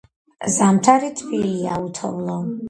ზამთარი თბილია, უთოვლო.